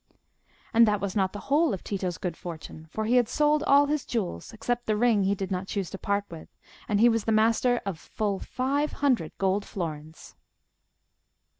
And that was not the whole of Tito's good fortune; for he had sold all his jewels, except the ring he did not choose to part with, and he was master of full five hundred gold florins.